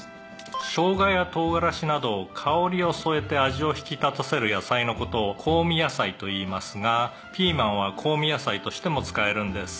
「ショウガやトウガラシなど香りを添えて味を引き立たせる野菜の事を香味野菜といいますがピーマンは香味野菜としても使えるんです」